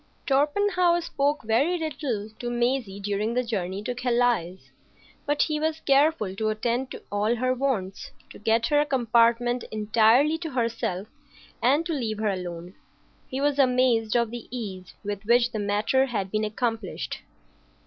Torpenhow spoke very little to Maisie during the journey to Calais; but he was careful to attend to all her wants, to get her a compartment entirely to herself, and to leave her alone. He was amazed of the ease with which the matter had been accomplished.